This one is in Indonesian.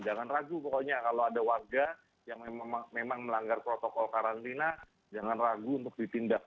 jangan ragu pokoknya kalau ada warga yang memang melanggar protokol karantina jangan ragu untuk ditindak